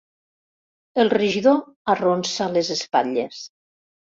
El regidor arronsa les espatlles.